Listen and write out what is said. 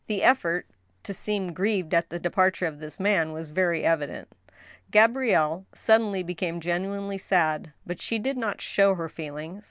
The effort to seem grieved at the departure of this man was very evident. Gabrielle suddenly became genuinely sad, but she did not show her feelings.